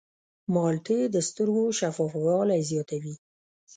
مالټې د سترګو شفافوالی زیاتوي.